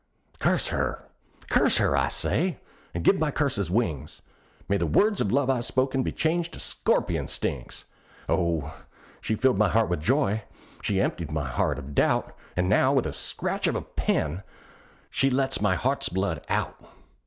Curse her! curse her! I say, and give my curses wings! May the words of love I've spoke be changed to scorpion stings! Oh, she filled my heart with joy, she emptied my heart of doubt, And now, with a scratch of a pen, she lets my heart's blood out!